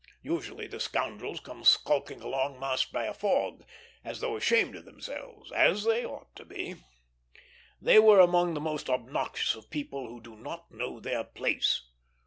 Usually the scoundrels come skulking along masked by a fog, as though ashamed of themselves, as they ought to be. They are among the most obnoxious of people who do not know their place.